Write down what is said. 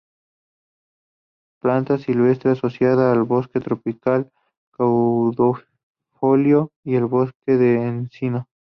Planta silvestre, asociada a bosque tropical caducifolio y al bosque de encino.